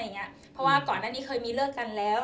เพราะว่าก่อนหน้านี้เคยมีเลิกกันแล้ว